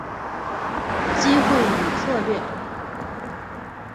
机会与策略